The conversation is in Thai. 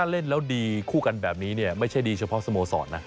เล่นแล้วดีคู่กันแบบนี้ไม่ใช่ดีเฉพาะสโมสรนะ